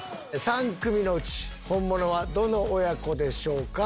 ３組のうちホンモノはどの親子でしょうか。